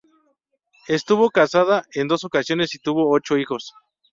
Estuvo casada en dos ocasiones y tuvo ocho hijos.